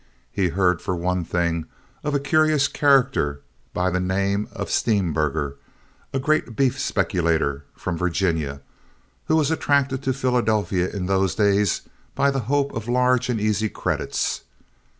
He heard, for one thing, of a curious character by the name of Steemberger, a great beef speculator from Virginia, who was attracted to Philadelphia in those days by the hope of large and easy credits.